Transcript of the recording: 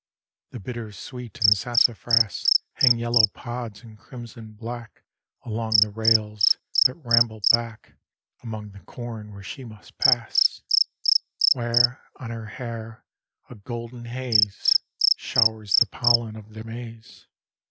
The bitter sweet and sassafras Hang yellow pods and crimson black Along the rails, that ramble back Among the corn where she must pass; Where, on her hair, a golden haze, Showers the pollen of the maize.